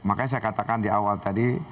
makanya saya katakan di awal tadi